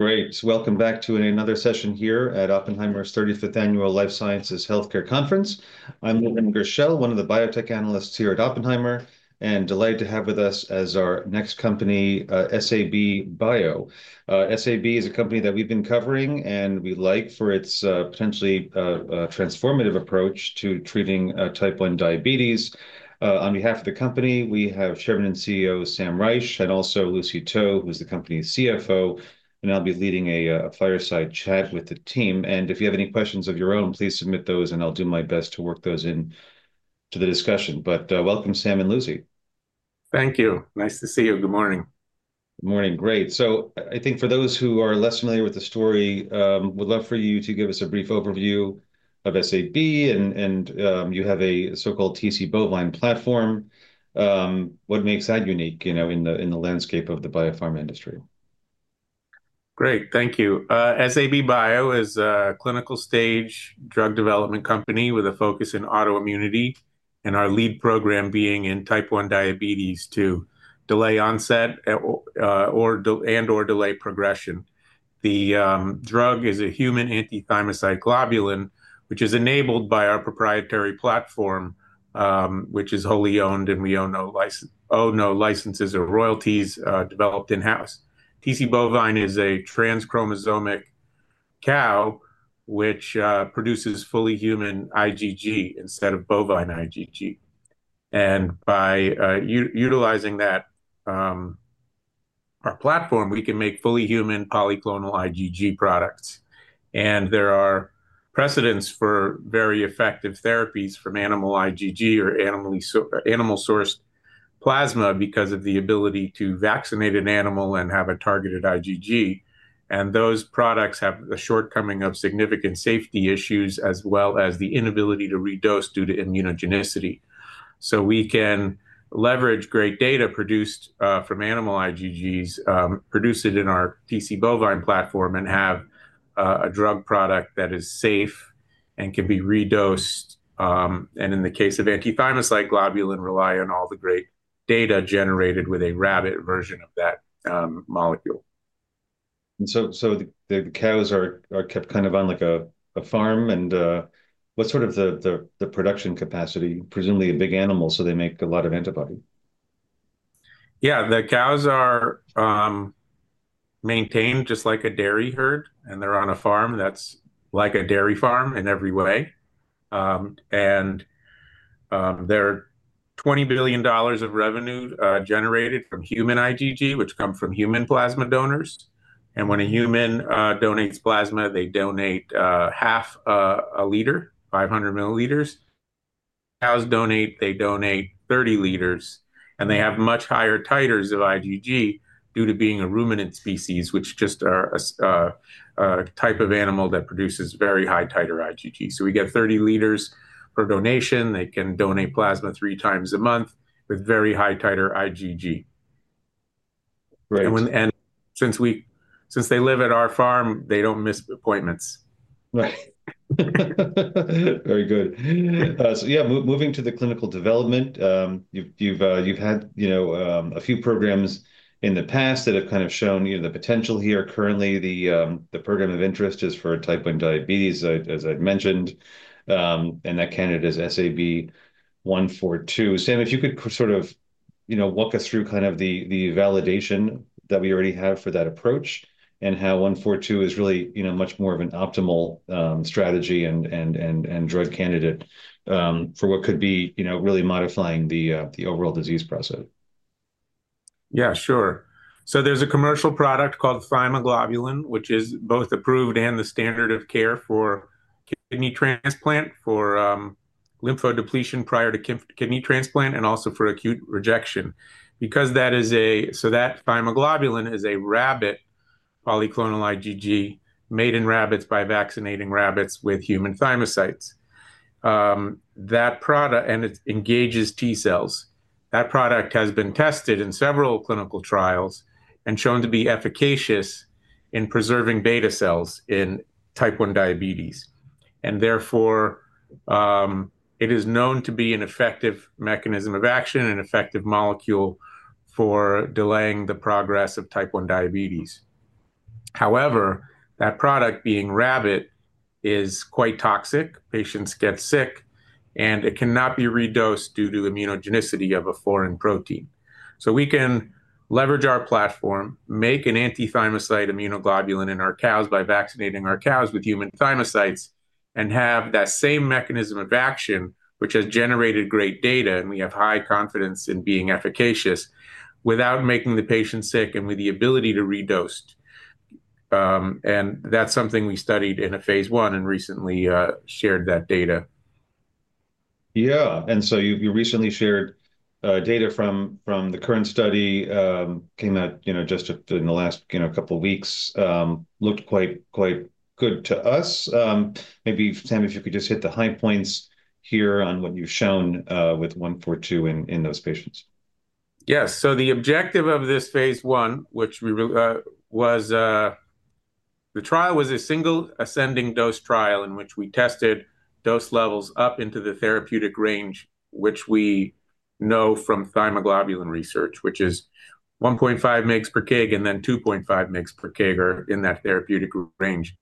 Great. Welcome back to another session here at Oppenheimer's 35th Annual Life Sciences Healthcare Conference. I'm William Gershell, one of the biotech analysts here at Oppenheimer, and delighted to have with us as our next company, SAB Biotherapeutics. SAB is a company that we've been covering, and we like for its potentially transformative approach to treating type 1 diabetes. On behalf of the company, we have Chairman and CEO Sam Reich and also Lucy Toe, who's the company's CFO, and I'll be leading a fireside chat with the team. If you have any questions of your own, please submit those, and I'll do my best to work those into the discussion. Welcome, Sam and Lucy. Thank you. Nice to see you. Good morning. Good morning. Great. I think for those who are less familiar with the story, I would love for you to give us a brief overview of SAB, and you have a so-called TC Bovine platform. What makes that unique in the landscape of the biopharma industry? Great. Thank you. SAB Bio is a clinical stage drug development company with a focus in autoimmunity, and our lead program being in type 1 diabetes to delay onset and/or delay progression. The drug is a human anti-thymocyte globulin, which is enabled by our proprietary platform, which is wholly owned, and we own no licenses or royalties developed in-house. TC Bovine is a trans-chromosomic cow, which produces fully human IgG instead of bovine IgG. By utilizing our platform, we can make fully human polyclonal IgG products. There are precedents for very effective therapies from animal IgG or animal-sourced plasma because of the ability to vaccinate an animal and have a targeted IgG. Those products have the shortcoming of significant safety issues as well as the inability to redose due to immunogenicity. We can leverage great data produced from animal IgGs, produce it in our TC Bovine platform, and have a drug product that is safe and can be redosed. In the case of anti-thymocyte globulin, rely on all the great data generated with a rabbit version of that molecule. The cows are kept kind of on a farm, and what's sort of the production capacity? Presumably a big animal, so they make a lot of antibody. Yeah, the cows are maintained just like a dairy herd, and they're on a farm that's like a dairy farm in every way. There are $20 billion of revenue generated from human IgG, which comes from human plasma donors. When a human donates plasma, they donate half a liter, 500 milliliters. Cows donate, they donate 30 liters, and they have much higher titers of IgG due to being a ruminant species, which just are a type of animal that produces very high titer IgG. We get 30 liters per donation. They can donate plasma three times a month with very high titer IgG. Great. Since they live at our farm, they don't miss appointments. Right. Very good. Yeah, moving to the clinical development, you've had a few programs in the past that have kind of shown the potential here. Currently, the program of interest is for type 1 diabetes, as I've mentioned, and that candidate is SAB-142. Sam, if you could sort of walk us through kind of the validation that we already have for that approach and how 142 is really much more of an optimal strategy and drug candidate for what could be really modifying the overall disease process. Yeah, sure. There is a commercial product called Thymoglobulin, which is both approved and the standard of care for kidney transplant, for lymphodepletion prior to kidney transplant, and also for acute rejection. That Thymoglobulin is a rabbit polyclonal IgG made in rabbits by vaccinating rabbits with human thymocytes. It engages T cells. That product has been tested in several clinical trials and shown to be efficacious in preserving beta cells in type 1 diabetes. Therefore, it is known to be an effective mechanism of action, an effective molecule for delaying the progress of type 1 diabetes. However, that product being rabbit is quite toxic. Patients get sick, and it cannot be redosed due to immunogenicity of a foreign protein. We can leverage our platform, make an anti-thymocyte immunoglobulin in our cows by vaccinating our cows with human thymocytes and have that same mechanism of action, which has generated great data, and we have high confidence in being efficacious without making the patient sick and with the ability to redose. That is something we studied in a phase one and recently shared that data. Yeah. You recently shared data from the current study that came out just in the last couple of weeks, looked quite good to us. Maybe, Sam, if you could just hit the high points here on what you've shown with 142 in those patients. Yes. The objective of this phase one, which was the trial, was a single ascending dose trial in which we tested dose levels up into the therapeutic range, which we know from thymoglobulin research, which is 1.5 mg per kg and then 2.5 mg per kg are in that therapeutic range.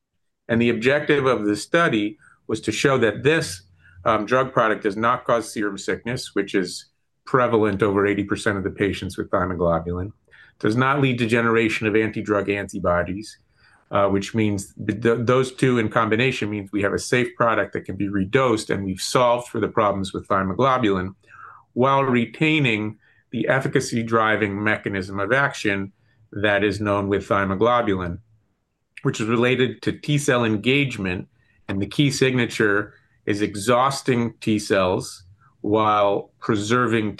The objective of the study was to show that this drug product does not cause serum sickness, which is prevalent in over 80% of the patients with thymoglobulin. It does not lead to generation of anti-drug antibodies, which means those two in combination means we have a safe product that can be redosed and we've solved for the problems with thymoglobulin while retaining the efficacy-driving mechanism of action that is known with thymoglobulin, which is related to T cell engagement. The key signature is exhausting T cells while preserving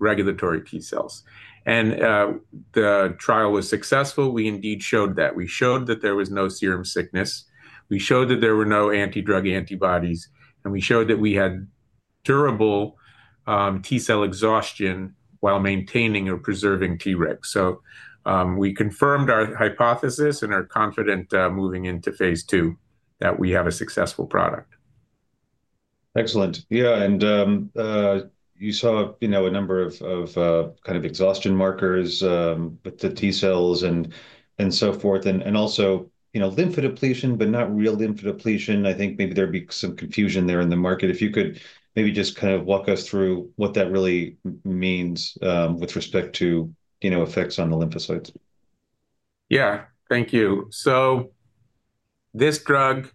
regulatory T cells. The trial was successful. We indeed showed that. We showed that there was no serum sickness. We showed that there were no anti-drug antibodies, and we showed that we had durable T cell exhaustion while maintaining or preserving Treg. We confirmed our hypothesis and are confident moving into phase two that we have a successful product. Excellent. Yeah. You saw a number of kind of exhaustion markers with the T cells and so forth. Also lymphodepletion, but not real lymphodepletion. I think maybe there'd be some confusion there in the market. If you could maybe just kind of walk us through what that really means with respect to effects on the lymphocytes. Yeah. Thank you. This drug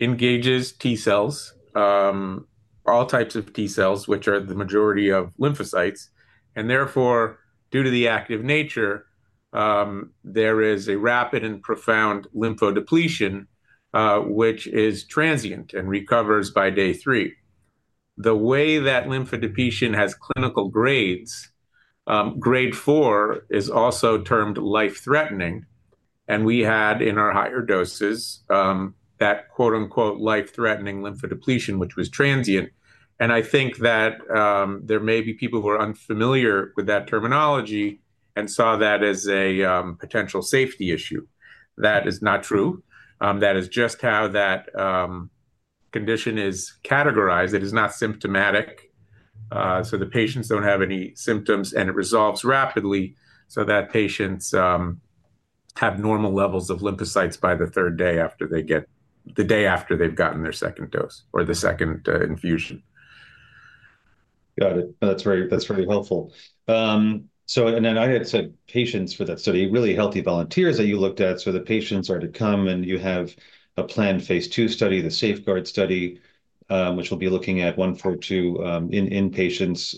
engages T cells, all types of T cells, which are the majority of lymphocytes. Therefore, due to the active nature, there is a rapid and profound lymphodepletion, which is transient and recovers by day three. The way that lymphodepletion has clinical grades, grade four is also termed life-threatening. We had in our higher doses that "life-threatening lymphodepletion," which was transient. I think that there may be people who are unfamiliar with that terminology and saw that as a potential safety issue. That is not true. That is just how that condition is categorized. It is not symptomatic. The patients do not have any symptoms, and it resolves rapidly. The patients have normal levels of lymphocytes by the third day after they get the day after they've gotten their second dose or the second infusion. Got it. That's very helpful. I had said patients for that study, really healthy volunteers that you looked at. The patients are to come, and you have a planned phase two study, the Safeguard study, which will be looking at 142 in patients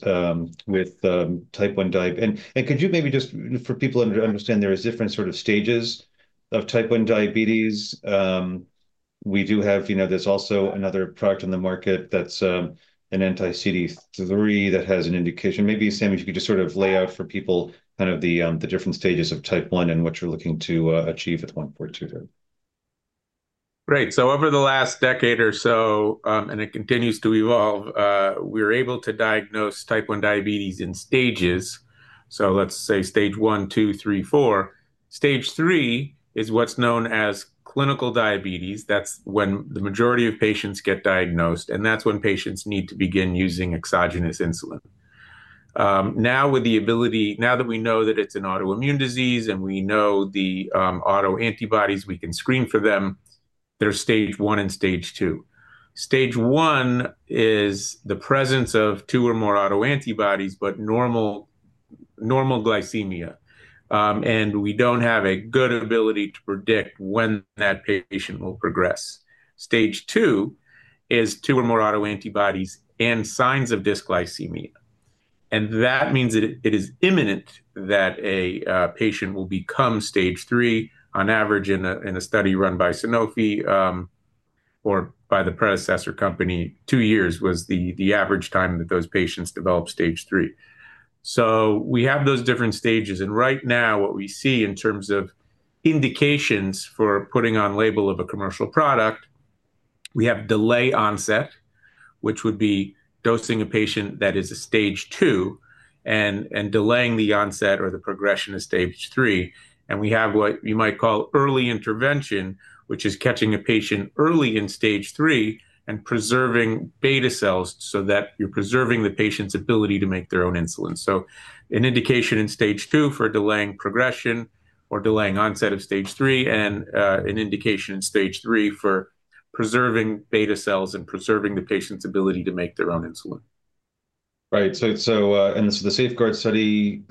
with type 1 diabetes. Could you maybe just, for people to understand, there are different sort of stages of type 1 diabetes. We do have there's also another product on the market that's an anti-CD3 that has an indication. Maybe, Sam, if you could just sort of lay out for people kind of the different stages of type 1 and what you're looking to achieve with 142 here. Great. Over the last decade or so, and it continues to evolve, we were able to diagnose type 1 diabetes in stages. Let's say stage one, two, three, four. Stage three is what's known as clinical diabetes. That's when the majority of patients get diagnosed, and that's when patients need to begin using exogenous insulin. Now, with the ability now that we know that it's an autoimmune disease and we know the autoantibodies, we can screen for them. There's stage one and stage two. Stage one is the presence of two or more autoantibodies, but normal glycemia. We don't have a good ability to predict when that patient will progress. Stage two is two or more autoantibodies and signs of dysglycemia. That means it is imminent that a patient will become stage three. On average, in a study run by Sanofi or by the predecessor company, two years was the average time that those patients developed stage three. We have those different stages. Right now, what we see in terms of indications for putting on label of a commercial product, we have delay onset, which would be dosing a patient that is a stage two and delaying the onset or the progression of stage three. We have what you might call early intervention, which is catching a patient early in stage three and preserving beta cells so that you're preserving the patient's ability to make their own insulin. An indication in stage two for delaying progression or delaying onset of stage three and an indication in stage three for preserving beta cells and preserving the patient's ability to make their own insulin. Right. The Safeguard study,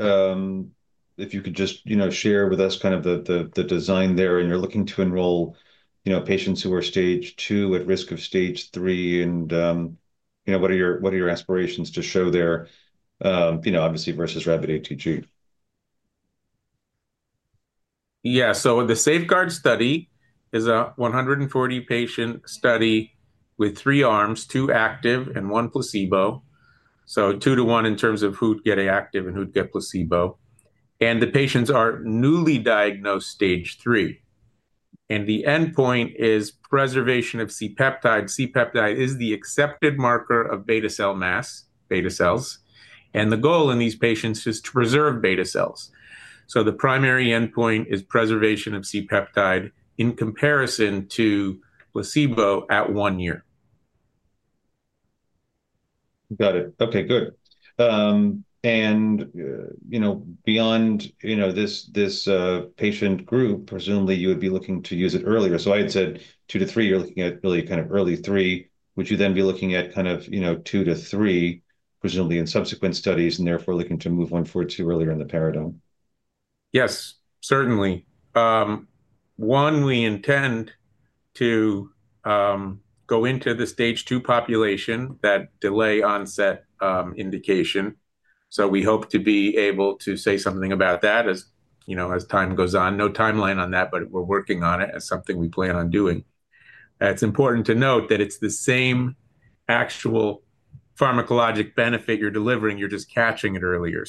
if you could just share with us kind of the design there. You're looking to enroll patients who are stage two at risk of stage three. What are your aspirations to show there, obviously, versus rabbit ATG? Yeah. The Safeguard study is a 140-patient study with three arms, two active and one placebo. Two to one in terms of who'd get active and who'd get placebo. The patients are newly diagnosed stage three. The endpoint is preservation of C-peptide. C-peptide is the accepted marker of beta cell mass, beta cells. The goal in these patients is to preserve beta cells. The primary endpoint is preservation of C-peptide in comparison to placebo at one year. Got it. Okay. Good. Beyond this patient group, presumably you would be looking to use it earlier. I had said two to three, you're looking at really kind of early three. Would you then be looking at kind of two to three, presumably in subsequent studies, and therefore looking to move 142 earlier in the paradigm? Yes, certainly. One, we intend to go into the stage 2 population, that delay onset indication. We hope to be able to say something about that as time goes on. No timeline on that, but we're working on it as something we plan on doing. It's important to note that it's the same actual pharmacologic benefit you're delivering. You're just catching it earlier.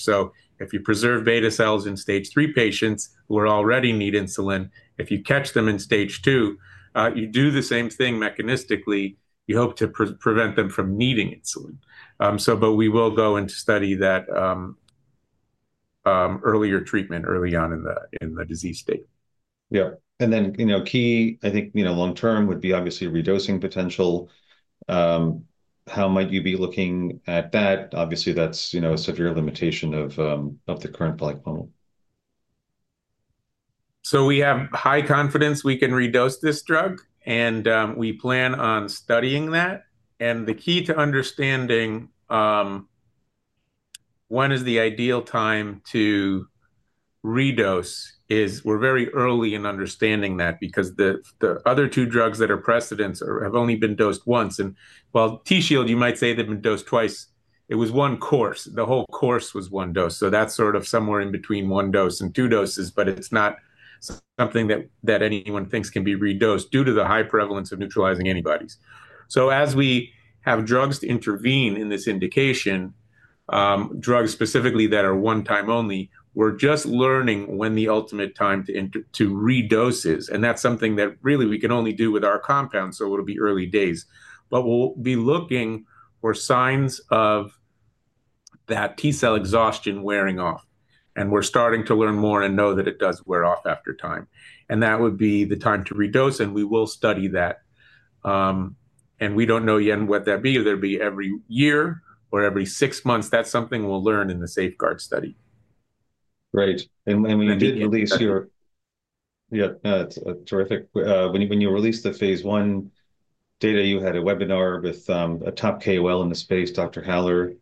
If you preserve beta cells in stage 3 patients who already need insulin, if you catch them in stage 2, you do the same thing mechanistically. You hope to prevent them from needing insulin. We will go into study that earlier treatment early on in the disease state. Yeah. Key, I think long-term would be obviously redosing potential. How might you be looking at that? Obviously, that's a severe limitation of the current polyclonal. We have high confidence we can redose this drug, and we plan on studying that. The key to understanding when is the ideal time to redose is we're very early in understanding that because the other two drugs that are precedents have only been dosed once. While TZield, you might say they've been dosed twice, it was one course. The whole course was one dose. That is sort of somewhere in between one dose and two doses, but it's not something that anyone thinks can be redosed due to the high prevalence of neutralizing antibodies. As we have drugs to intervene in this indication, drugs specifically that are one-time only, we're just learning when the ultimate time to redose is. That is something that really we can only do with our compound, so it'll be early days. We will be looking for signs of that T cell exhaustion wearing off. We are starting to learn more and know that it does wear off after time. That would be the time to redose, and we will study that. We do not know yet what that will be, if it will be every year or every six months. That is something we will learn in the Safeguard study. Right. We did release your, yeah, that's terrific. When you released the phase one data, you had a webinar with a top KOL in the space, Dr. Haller,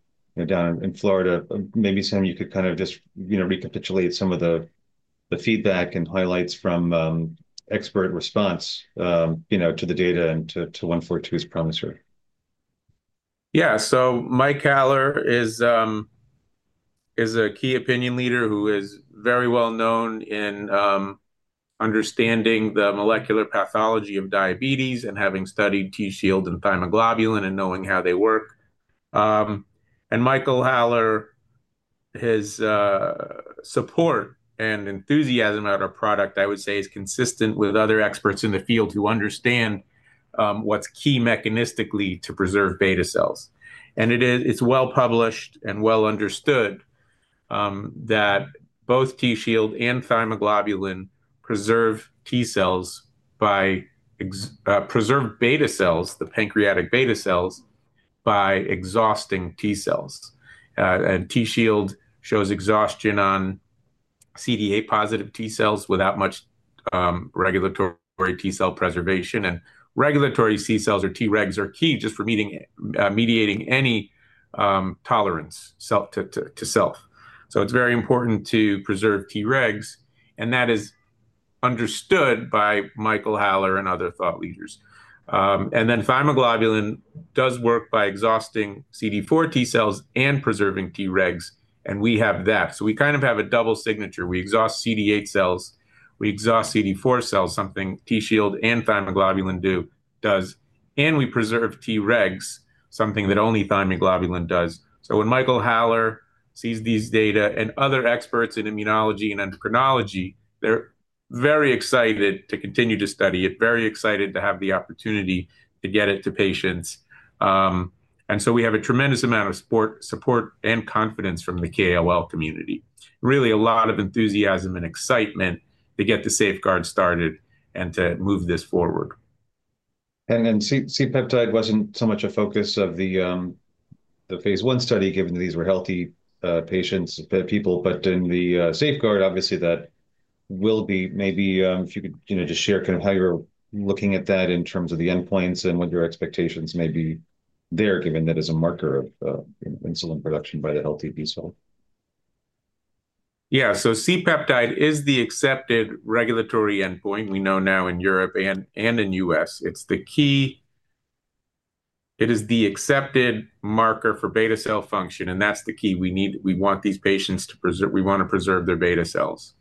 down in Florida. Maybe, Sam, you could kind of just recapitulate some of the feedback and highlights from expert response to the data and to 142's promise here. Yeah. Mike Haller is a key opinion leader who is very well known in understanding the molecular pathology of diabetes and having studied TZield and thymoglobulin and knowing how they work. Michael Haller, his support and enthusiasm at our product, I would say, is consistent with other experts in the field who understand what's key mechanistically to preserve beta cells. It is well published and well understood that both TZield and thymoglobulin preserve T cells by preserving beta cells, the pancreatic beta cells, by exhausting T cells. TZield shows exhaustion on CD8-positive T cells without much regulatory T cell preservation. Regulatory T cells or Tregs are key just for mediating any tolerance to self. It is very important to preserve Tregs, and that is understood by Michael Haller and other thought leaders. Thymoglobulin does work by exhausting CD4 T cells and preserving Tregs, and we have that. We kind of have a double signature. We exhaust CD8 cells. We exhaust CD4 cells. Something TZield and thymoglobulin do. And we preserve Tregs, something that only thymoglobulin does. When Michael Haller sees these data and other experts in immunology and endocrinology, they're very excited to continue to study it, very excited to have the opportunity to get it to patients. We have a tremendous amount of support and confidence from the KOL community. Really, a lot of enthusiasm and excitement to get the Safeguard started and to move this forward. C-peptide was not so much a focus of the phase one study given that these were healthy patients, people. In the Safeguard, obviously, that will be maybe if you could just share kind of how you are looking at that in terms of the endpoints and what your expectations may be there, given that it is a marker of insulin production by the healthy beta cell. Yeah. C-peptide is the accepted regulatory endpoint. We know now in Europe and in the US, it's the key, it is the accepted marker for beta cell function, and that's the key. We want these patients to preserve, we want to preserve their beta cells.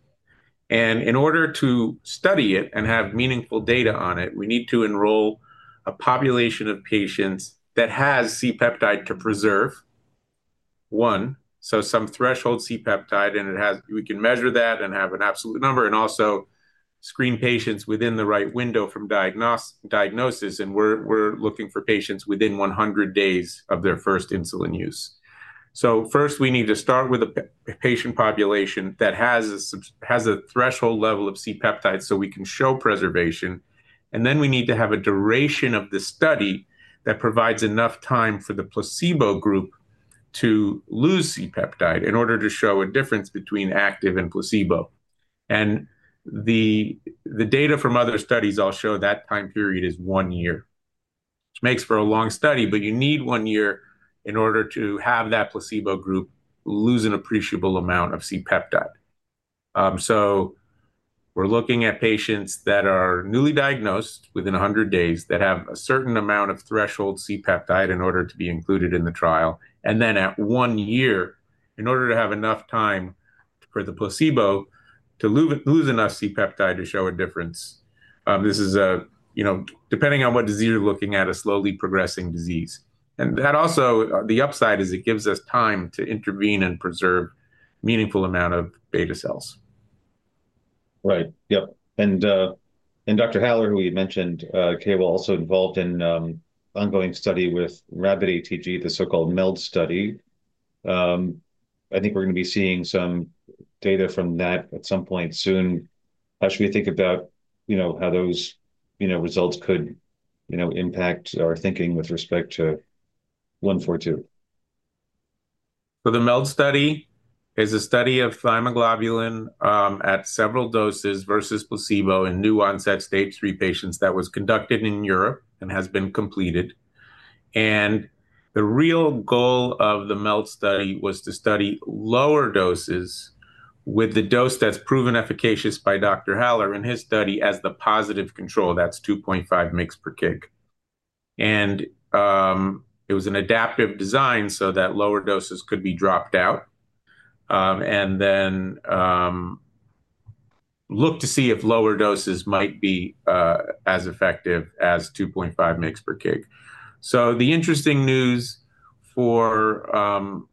In order to study it and have meaningful data on it, we need to enroll a population of patients that has C-peptide to preserve, one, so some threshold C-peptide, and we can measure that and have an absolute number and also screen patients within the right window from diagnosis. We're looking for patients within 100 days of their first insulin use. First, we need to start with a patient population that has a threshold level of C-peptide so we can show preservation. We need to have a duration of the study that provides enough time for the placebo group to lose C-peptide in order to show a difference between active and placebo. The data from other studies show that time period is one year, which makes for a long study, but you need one year in order to have that placebo group lose an appreciable amount of C-peptide. We are looking at patients that are newly diagnosed within 100 days that have a certain amount of threshold C-peptide in order to be included in the trial. At one year, in order to have enough time for the placebo to lose enough C-peptide to show a difference. This is depending on what disease you are looking at, a slowly progressing disease. That also, the upside is it gives us time to intervene and preserve a meaningful amount of beta cells. Right. Yep. Dr. Haller, who you mentioned, KOL, also involved in an ongoing study with rabbit ATG, the so-called MELD study. I think we're going to be seeing some data from that at some point soon. How should we think about how those results could impact our thinking with respect to 142? The MELD study is a study of thymoglobulin at several doses versus placebo in new-onset stage 3 patients that was conducted in Europe and has been completed. The real goal of the MELD study was to study lower doses with the dose that is proven efficacious by Dr. Haller in his study as the positive control. That is 2.5 mg per kg. It was an adaptive design so that lower doses could be dropped out and then look to see if lower doses might be as effective as 2.5 mg per kg. The interesting news for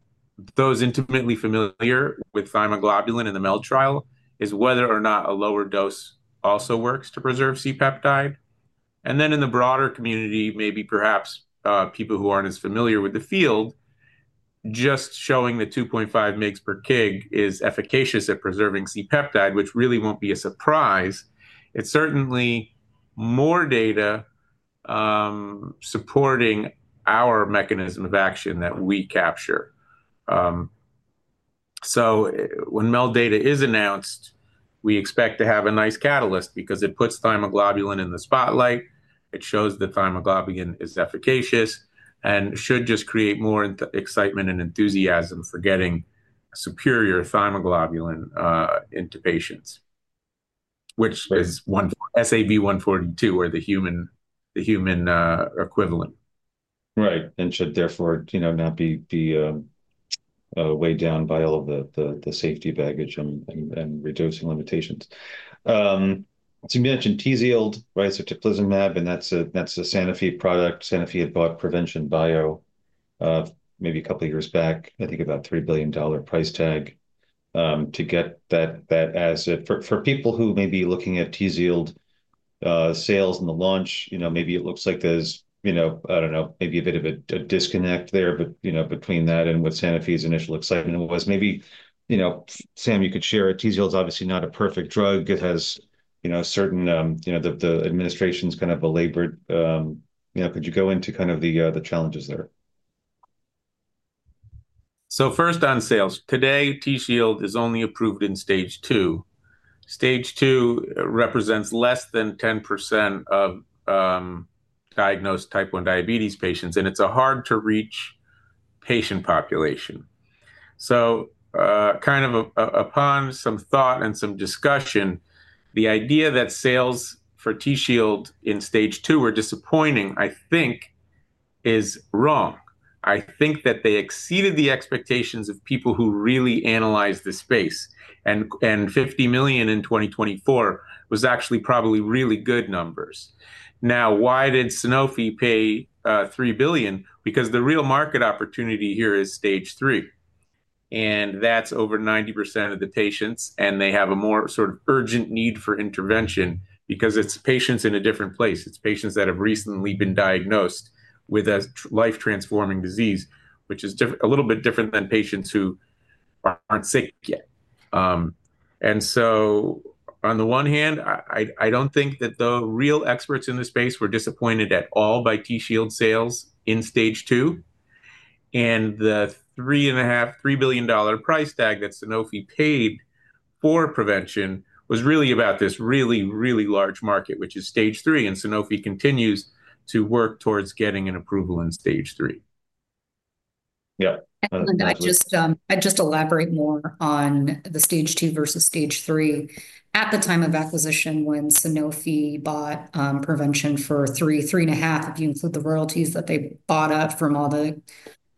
those intimately familiar with thymoglobulin in the MELD trial is whether or not a lower dose also works to preserve C-peptide. In the broader community, maybe perhaps people who aren't as familiar with the field, just showing the 2.5 mg per kg is efficacious at preserving C-peptide, which really won't be a surprise. It's certainly more data supporting our mechanism of action that we capture. When MELD data is announced, we expect to have a nice catalyst because it puts thymoglobulin in the spotlight. It shows that thymoglobulin is efficacious and should just create more excitement and enthusiasm for getting superior thymoglobulin into patients, which is SAB-142 or the human equivalent. Right. It should therefore not be weighed down by all of the safety baggage and redosing limitations. You mentioned TZield, right, so Teplizumab, and that's a Sanofi product. Sanofi had bought Prevention Bio maybe a couple of years back, I think about $3 billion price tag to get that. For people who may be looking at TZield sales and the launch, maybe it looks like there's, I don't know, maybe a bit of a disconnect there between that and what Sanofi's initial excitement was. Maybe, Sam, you could share it. TZield's obviously not a perfect drug. It has certain, the administration's kind of belabored. Could you go into kind of the challenges there? First on sales, today, TZield is only approved in stage two. Stage two represents less than 10% of diagnosed type 1 diabetes patients, and it's a hard-to-reach patient population. Kind of upon some thought and some discussion, the idea that sales for TZield in stage two were disappointing, I think, is wrong. I think that they exceeded the expectations of people who really analyzed the space. $50 million in 2024 was actually probably really good numbers. Now, why did Sanofi pay $3 billion? The real market opportunity here is stage three. That's over 90% of the patients, and they have a more sort of urgent need for intervention because it's patients in a different place. It's patients that have recently been diagnosed with a life-transforming disease, which is a little bit different than patients who aren't sick yet. On the one hand, I don't think that the real experts in the space were disappointed at all by TZield sales in stage two. The $3.5 billion price tag that Sanofi paid for Prevention was really about this really, really large market, which is stage three. Sanofi continues to work towards getting an approval in stage three. Yeah. I'd just elaborate more on the stage two versus stage three. At the time of acquisition, when Sanofi bought Prevention for $3 billion, $3.5 billion if you include the royalties that they bought up from all the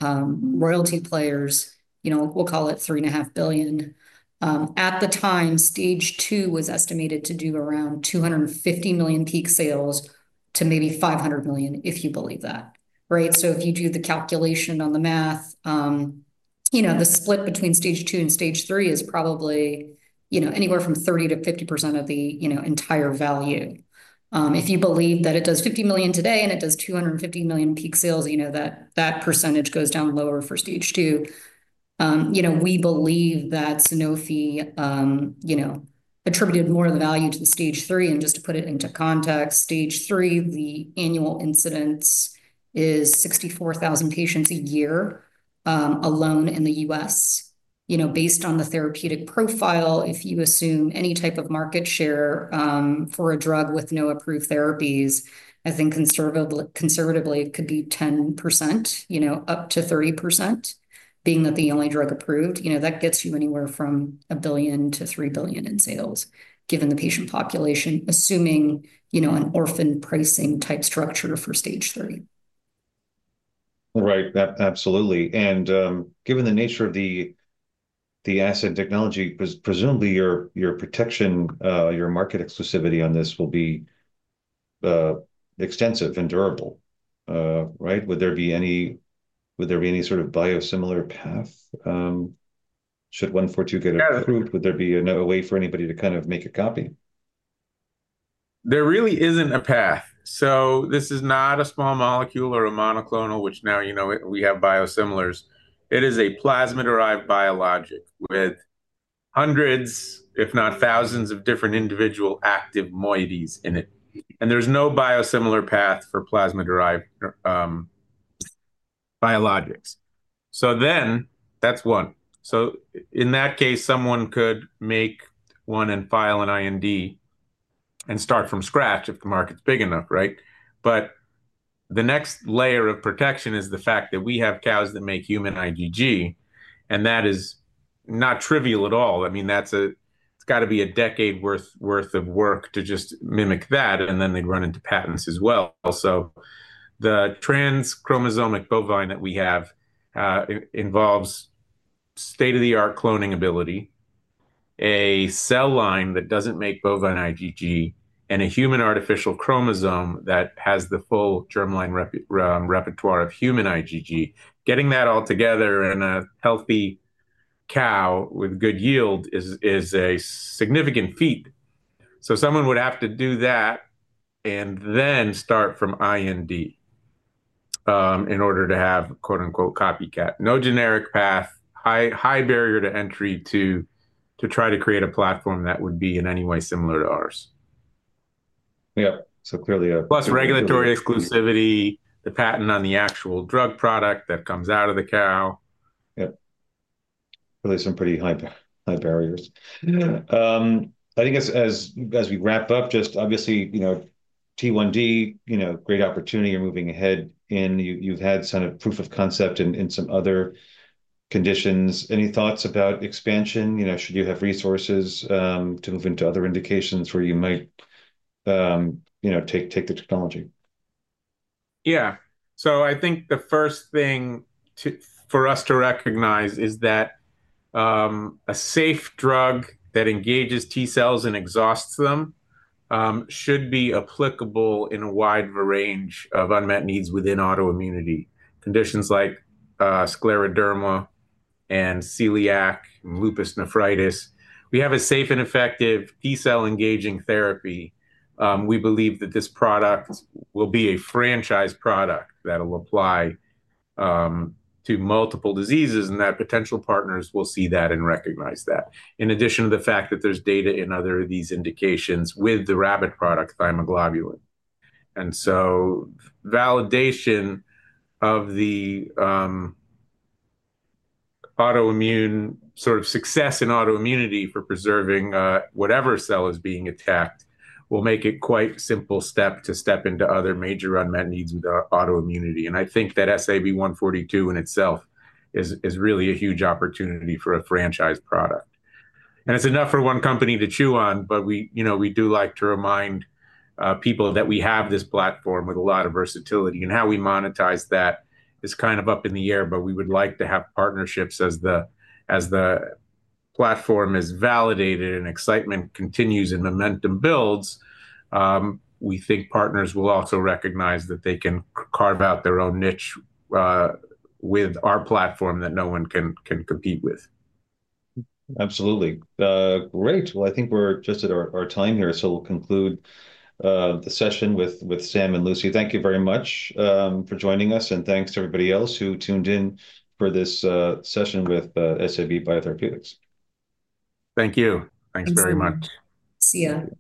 royalty players, we'll call it $3.5 billion. At the time, stage two was estimated to do around $250 million peak sales to maybe $500 million, if you believe that, right? If you do the calculation on the math, the split between stage two and stage three is probably anywhere from 30%-50% of the entire value. If you believe that it does $50 million today and it does $250 million peak sales, that percentage goes down lower for stage two. We believe that Sanofi attributed more of the value to the stage three. Just to put it into context, stage three, the annual incidence is 64,000 patients a year alone in the U.S. Based on the therapeutic profile, if you assume any type of market share for a drug with no approved therapies, I think conservatively it could be 10% up to 30%, being that the only drug approved. That gets you anywhere from $1 billion-$3 billion in sales, given the patient population, assuming an orphan pricing type structure for stage three. Right. Absolutely. Given the nature of the asset and technology, presumably your protection, your market exclusivity on this will be extensive and durable, right? Would there be any sort of biosimilar path? Should 142 get approved, would there be a way for anybody to kind of make a copy? There really isn't a path. This is not a small molecule or a monoclonal, which now we have biosimilars. It is a plasma-derived biologic with hundreds, if not thousands, of different individual active moieties in it. There is no biosimilar path for plasma-derived biologics. That is one. In that case, someone could make one and file an IND and start from scratch if the market's big enough, right? The next layer of protection is the fact that we have cows that make human IgG, and that is not trivial at all. I mean, it's got to be a decade's worth of work to just mimic that, and then they run into patents as well. The trans-chromosomic bovine that we have involves state-of-the-art cloning ability, a cell line that doesn't make bovine IgG, and a human artificial chromosome that has the full germline repertoire of human IgG. Getting that all together in a healthy cow with good yield is a significant feat. Someone would have to do that and then start from IND in order to have "copycat." No generic path, high barrier to entry to try to create a platform that would be in any way similar to ours. Yep. Clearly. Plus regulatory exclusivity, the patent on the actual drug product that comes out of the cow. Yep. Really some pretty high barriers. I think as we wrap up, just obviously, T1D, great opportunity. You're moving ahead in. You've had some proof of concept in some other conditions. Any thoughts about expansion? Should you have resources to move into other indications where you might take the technology? Yeah. I think the first thing for us to recognize is that a safe drug that engages T cells and exhausts them should be applicable in a wide range of unmet needs within autoimmunity conditions like scleroderma and celiac and lupus nephritis. We have a safe and effective T cell engaging therapy. We believe that this product will be a franchise product that will apply to multiple diseases and that potential partners will see that and recognize that, in addition to the fact that there is data in other of these indications with the rabbit product, thymoglobulin. Validation of the autoimmune sort of success in autoimmunity for preserving whatever cell is being attacked will make it quite a simple step to step into other major unmet needs with autoimmunity. I think that SAB-142 in itself is really a huge opportunity for a franchise product. It is enough for one company to chew on, but we do like to remind people that we have this platform with a lot of versatility. How we monetize that is kind of up in the air, but we would like to have partnerships as the platform is validated and excitement continues and momentum builds. We think partners will also recognize that they can carve out their own niche with our platform that no one can compete with. Absolutely. Great. I think we're just at our time here, so we'll conclude the session with Sam and Lucy. Thank you very much for joining us, and thanks to everybody else who tuned in for this session with SAB Biotherapeutics. Thank you. Thanks very much. See you.